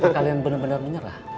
kalian bener bener menyerah